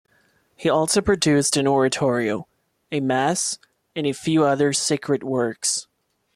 He also produced an oratorio, a mass, and a few other sacred works.